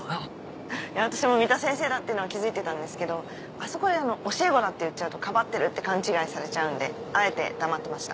私も三田先生だっていうのは気付いてたんですけどあそこで教え子だって言っちゃうとかばってるって勘違いされちゃうんであえて黙ってました。